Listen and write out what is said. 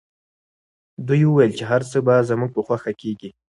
دوی وویل چي هر څه به زموږ په خوښه کیږي.